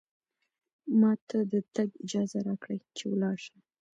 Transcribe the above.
ما ته د تګ اجازه راکړئ، چې ولاړ شم.